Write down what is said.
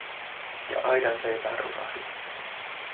Ja aidanseipään rusahdus.